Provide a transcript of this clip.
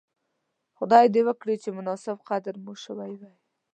خدای دې وکړي چې مناسب قدر مو شوی وی.